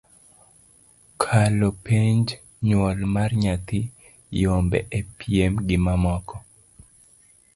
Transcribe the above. kalo penj, nywol mar nyathi, yombo e piem gimamoko